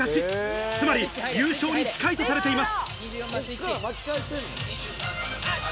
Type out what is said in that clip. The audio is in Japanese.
つまり、優勝に近いとされています。